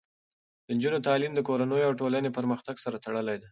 د نجونو تعلیم د کورنیو او ټولنې پرمختګ سره تړلی دی.